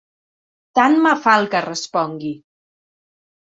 Tant me fa el que respongui.